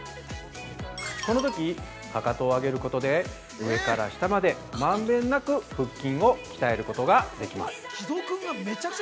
このとき、かかとを上げることで上から下まで満遍なく腹筋を鍛えることができます。